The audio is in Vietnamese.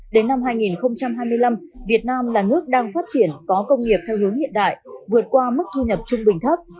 đến năm hai nghìn hai mươi năm việt nam là nước đang phát triển có công nghiệp theo hướng hiện đại vượt qua mức thu nhập trung bình thấp